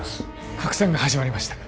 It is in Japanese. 拡散が始まりましたか